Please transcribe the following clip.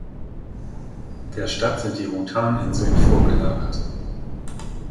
Der Stadt sind die Routan-Inseln vorgelagert.